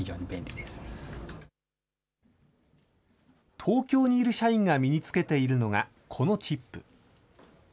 東京にいる社員が身につけているのがこのチップ。